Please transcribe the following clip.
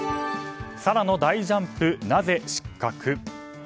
サラの大ジャンプ、なぜ失格？